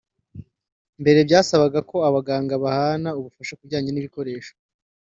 Mbere byasabaga ko abaganga bahana ubufasha ku bijyanye n’ibikoresho